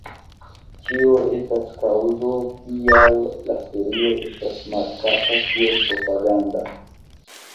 Tio estas kaŭzo, kial la serio estas markata kiel propaganda.